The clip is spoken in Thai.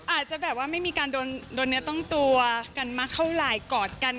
อาจจะแบบว่าไม่มีการโดนเนื้อต้องตัวกันมาเท่าไหร่กอดกัน